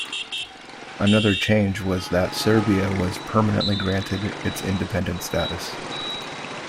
Another change was that Serbia was permanently granted its independent status.